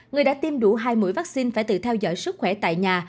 người đã tiêm đủ hai mũi vaccine phải tự theo dõi sức khỏe tại nhà